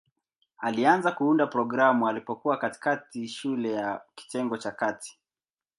Alianza kuunda programu alipokuwa katikati shule ya kitengo cha kati.